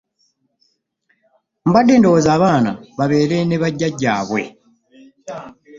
Mbadde ndowooza abaana babeera na jjajjabwe.